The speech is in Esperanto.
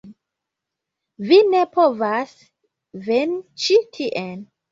Vi ne povas veni ĉi tien.